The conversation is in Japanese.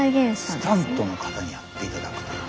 スタントの方にやっていただくという。